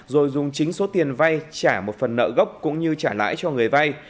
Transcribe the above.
rồi dùng chính số tiền vay trả một phần nợ gốc cũng như trả lãi cho người vay